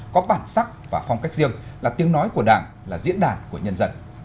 có bản sắc và phong cách riêng là tiếng nói của đảng là diễn đàn của nhân dân